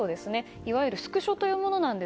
いわゆるスクショというものです。